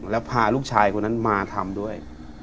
แล้วพาลูกชายคนนั้นมาทำด้วย